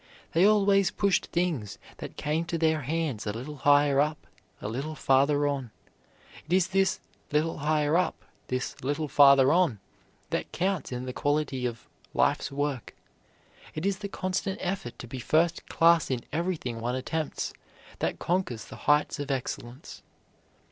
They always pushed things that came to their hands a little higher up, a little farther on. It is this little higher up, this little farther on, that counts in the quality of life's work. It is the constant effort to be first class in everything one attempts that conquers the heights of excellence.